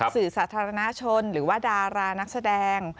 สาธารณชนหรือว่าดารานักแสดง